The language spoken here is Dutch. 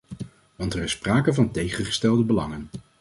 Want er is sprake van tegengestelde belangen.